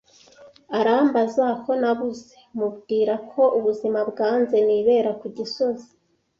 arambaza ko nabuze ,mubwirako ubuzima bwanze nibera ku Gisozi